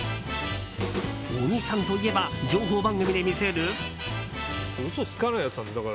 小木さんといえば情報番組で見せる。